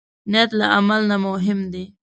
نیت له عمل نه مهم دی.